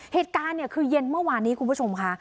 เหตุการณ์เนี่ยคือเย็นเมื่อวานนี้คุณผู้ชมค่ะ